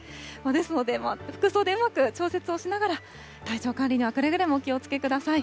ですので、服装でうまく調節をしながら、体調管理にはくれぐれもお気をつけください。